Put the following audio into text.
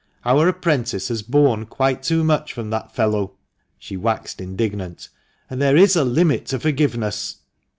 Our apprentice has borne quite too much from that fellow " (she waxed indignant), "and there is a limit to forgiveness."